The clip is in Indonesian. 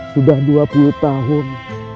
sudah dua puluh tahun